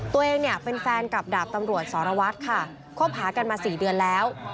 ตัวเองเนี่ยเป็นแฟนกับดาบตำรวจสรวัตรค่ะคบหากันมา๔เดือนแล้ว